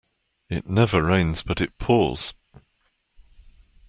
It never rains but it pours.